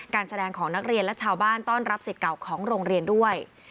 การแสดงของนักเรียนและชาวบ้านต้อนรับสิทธิ์เก่าของโรงเรียนด้วย